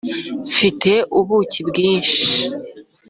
mfite ubuki bwinshi